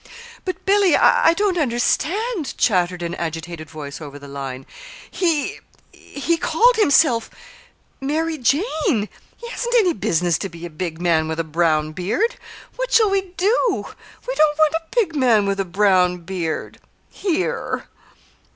"But, Billy, I don't understand," chattered an agitated voice over the line. "He he called himself 'Mary Jane.' He hasn't any business to be a big man with a brown beard! What shall we do? We don't want a big man with a brown beard here!"